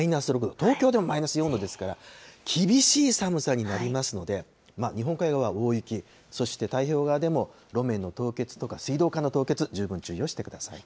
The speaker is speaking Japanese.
東京でもマイナス４度ですから、きびしいさむさになりますので、そして太平洋側でも路面の凍結とか水道管の凍結、十分注意をしてください。